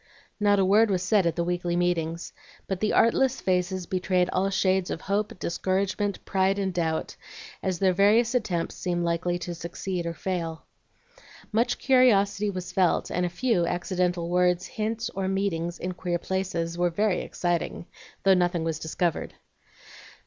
Not a word was said at the weekly meetings, but the artless faces betrayed all shades of hope, discouragement, pride, and doubt, as their various attempts seemed likely to succeed or fail. Much curiosity was felt, and a few accidental words, hints, or meetings in queer places, were very exciting, though nothing was discovered.